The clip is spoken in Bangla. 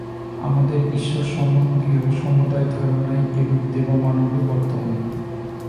আমাদের ঈশ্বর-সম্বন্ধীয় সমুদয় ধারণাই এরূপ দেব-মানবে বর্তমান।